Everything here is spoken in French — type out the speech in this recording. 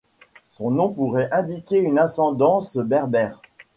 Son nom pourrait indiquer une ascendance berbère.